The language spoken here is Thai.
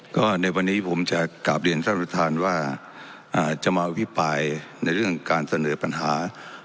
ก็ในวันนี้ผมจะกลับเรียนท่านประธานว่าจะมาอภิปรายในเรื่องการเสนอปัญหา